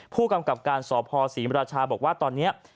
ผู้กำกับการสพศรีมราชาบอกว่าตอนนี้